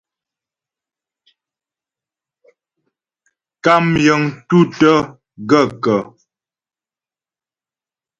Kàm yəŋ tútə́ gaə̂kə̀ ?